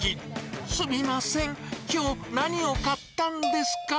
すみません、きょう、何を買ったんですか？